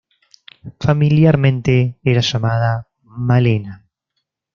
Familiarmente era llamada Malena.